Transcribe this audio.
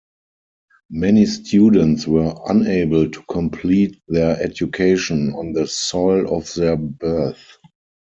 Many students were unable to complete their education on the soil of their birth.